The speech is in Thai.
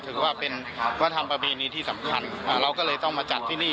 ถือว่าเป็นวัฒนภบีนี้ที่สำคัญอ่าเราก็เลยต้องมาจัดที่นี่